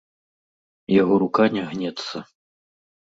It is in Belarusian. Яго рука не гнецца.